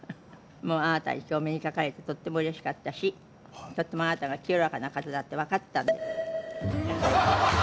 あなたに今日お目にかかれてとっても嬉しかったしとってもあなたが清らかな方だってわかったんで。